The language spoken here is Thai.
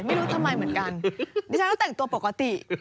ไม่รู้ทำไมเหมือนกันดิฉันก็แต่งตัวปกติ